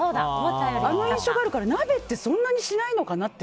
あの印象があるから鍋ってそんなにしないのかなって。